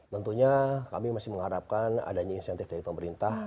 tentunya kami masih mengharapkan adanya insentif dari pemerintah